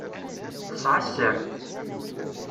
Tesεa sser.